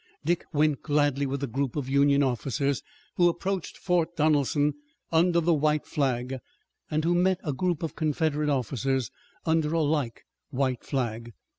Dick went gladly with the group of Union officers, who approached Fort Donelson under the white flag, and who met a group of Confederate officers under a like white flag.